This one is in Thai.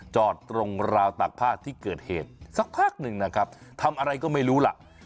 จอดตรงราวตากผ้าที่เกิดเหตุสักพักหนึ่งนะครับทำอะไรก็ไม่รู้ล่ะ